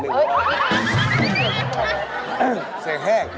เสียงแห้ง